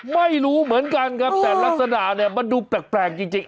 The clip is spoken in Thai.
ไม่รู้เหมือนกันครับแต่ลักษณะเนี่ยมันดูแปลกจริง